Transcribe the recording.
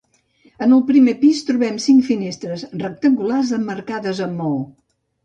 En el primer pis trobem cinc finestres rectangulars emmarcades amb maó.